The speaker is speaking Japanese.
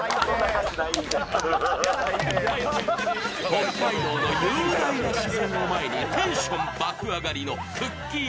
北海道の雄大な自然を前にテンション爆上がりのくっきー！